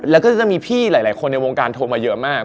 แล้วก็จะมีพี่หลายคนในวงการโทรมาเยอะมาก